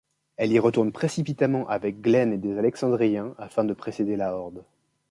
Elle y retourne précipitamment avec Glenn et des Alexandriens afin de précéder la horde.